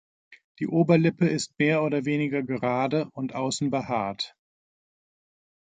Die Oberlippe ist mehr oder weniger gerade und außen behaart.